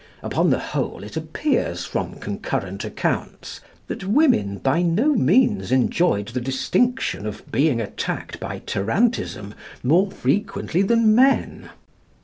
Upon the whole it appears, from concurrent accounts, that women by no means enjoyed the distinction of being attacked by tarantism more frequently than men.